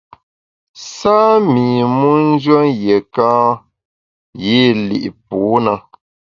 Sâ mi mu njùen yiéka yî li’ pû na.